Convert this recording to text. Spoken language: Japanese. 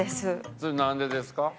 それなんでですか？